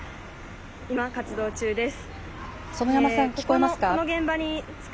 今、活動中です。